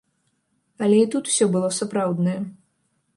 Але і тут усё было сапраўднае.